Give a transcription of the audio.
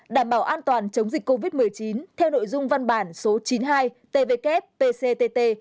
đảm bảo an toàn chống dịch covid một mươi chín theo nội dung văn bản số chín mươi hai tvk pct